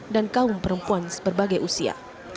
dan kaum perempuan seberbagai usia